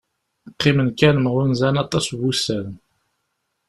Qqimen akken mɣunzan aṭas n wussan.